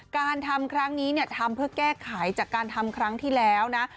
การทำครั้งนี้ทำเพื่อแก้ไขจากการทำครั้งที่แล้วนะ